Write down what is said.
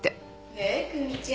ねえ久美ちゃん